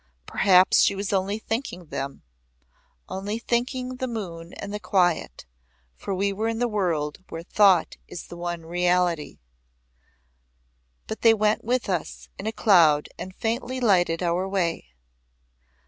Perhaps she was only thinking them only thinking the moon and the quiet, for we were in the world where thought is the one reality. But they went with us in a cloud and faintly lighted our way.